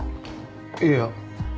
いや。